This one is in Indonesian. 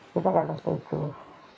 kita akan menghasilkan